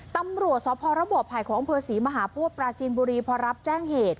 ตำรับสภาระบอบภัยขององค์เผอร์ศรีมหาพวกปราจินบุรีพอรับแจ้งเหตุ